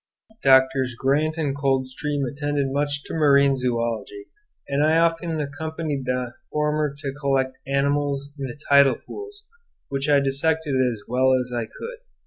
Drs. Grant and Coldstream attended much to marine Zoology, and I often accompanied the former to collect animals in the tidal pools, which I dissected as well as I could.